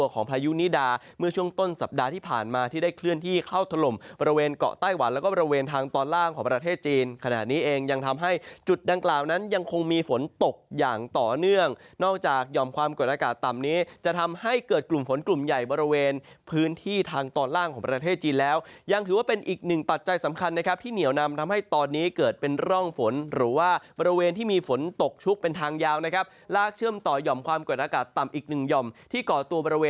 ความกดอากาศต่ำนี้จะทำให้เกิดกลุ่มฝนกลุ่มใหญ่บริเวณพื้นที่ทางตอนล่างของประเทศจีนแล้วยังถือว่าเป็นอีกหนึ่งปัจจัยสำคัญนะครับที่เหนียวนำทำให้ตอนนี้เกิดเป็นร่องฝนหรือว่าบริเวณที่มีฝนตกชุกเป็นทางยาวนะครับลากเชื่อมต่อยอมความกดอากาศต่ำอีกหนึ่งยอมที่เกาะตัวบริเว